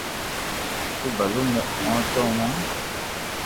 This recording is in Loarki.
تو ڀلو مون نو مون